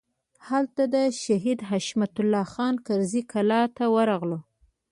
هلته د شهید حشمت الله خان کرزي کلا ته ورغلو.